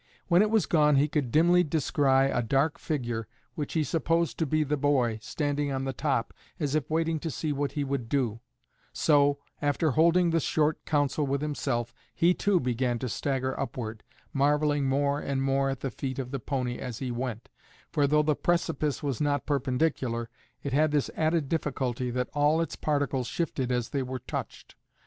When it was gone he could dimly descry a dark figure, which he supposed to be the boy, standing on the top, as if waiting to see what he would do; so, after holding short counsel with himself, he, too, began to stagger upward, marvelling more and more at the feat of the pony as he went, for though the precipice was not perpendicular, it had this added difficulty, that all its particles shifted as they were touched.